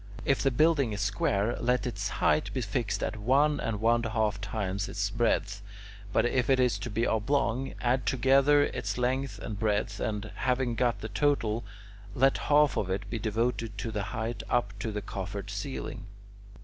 If the building is square, let its height be fixed at one and one half times its breadth; but if it is to be oblong, add together its length and breadth and, having got the total, let half of it be devoted to the height up to the coffered ceiling.